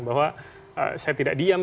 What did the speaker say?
bahwa saya tidak diam